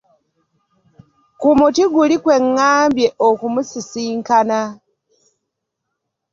Ku muti guli kwe ŋŋambye okumusisinkana.